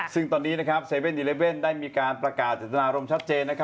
ซึ่งตอนนี้๗๑๑ได้มีการประกาศเจตนารมณ์ชัดเจน